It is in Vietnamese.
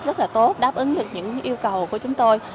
rất là tốt đáp ứng được những yêu cầu của chúng tôi